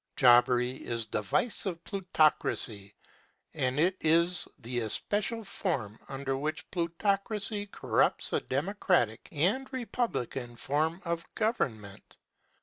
Jobbery is the vice of plutocracy, and it is the especial form under which plutocracy corrupts a democratic and republican form of government.